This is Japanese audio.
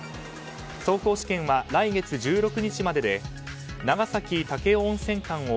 走行試験は来月１６日までで長崎武雄温泉間を１